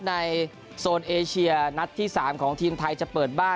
โซนเอเชียนัดที่๓ของทีมไทยจะเปิดบ้าน